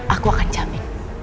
aku akan jamin